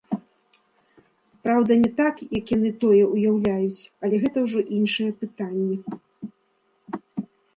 Праўда, не так, як яны тое ўяўляюць, але гэта ўжо іншае пытанне.